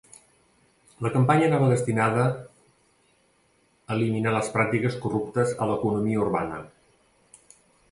La campanya anava destinada eliminar les pràctiques corruptes a l'economia urbana.